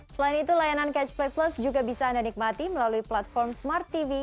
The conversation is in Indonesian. selain itu layanan catch play plus juga bisa anda nikmati melalui platform smart tv